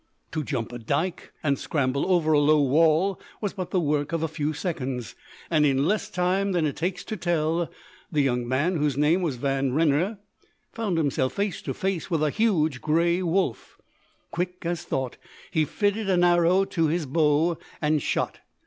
To jump a dike and scramble over a low wall was but the work of a few seconds, and in less time than it takes to tell, the young man, whose name was Van Renner, found himself face to face with a huge grey wolf. Quick as thought, he fitted an arrow to his bow, and shot.